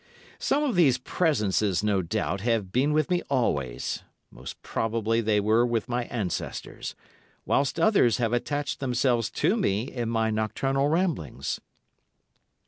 Some of these "presences" no doubt have been with me always—most probably they were with my ancestors—whilst others have attached themselves to me in my nocturnal ramblings.